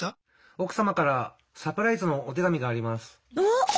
奥さまからサプライズのお手紙があります。